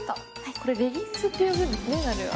これレギンスって呼ぶんですねなるは。